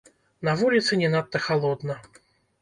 На вуліцы не надта халодна.